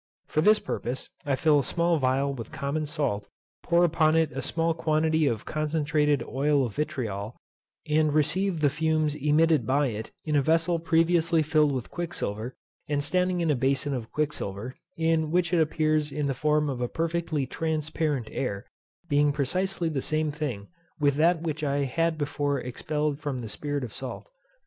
For this purpose I fill a small phial with common salt, pour upon it a small quantity of concentrated oil of vitriol, and receive the fumes emitted by it in a vessel previously filled with quicksilver, and standing in a bason of quicksilver, in which it appears in the form of a perfectly transparent air, being precisely the same thing with that which I had before expelled from the spirit of salt.